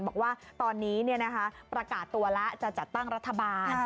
บอกว่าตอนนี้ประกาศตัวแล้วจะจัดตั้งรัฐบาล